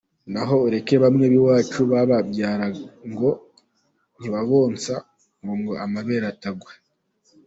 Naho ureke bamwe b’iwacu bababyara ngo ntibabonsa kgo amabere atagwa.